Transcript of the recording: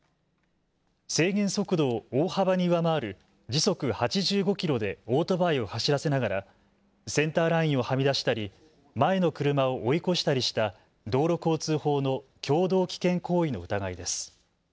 制限速度を大幅に上回る時速８５キロでオートバイを走らせながらセンターラインをはみ出したり前の車を追い越したりした道路交通法の共同危険行為の疑いです。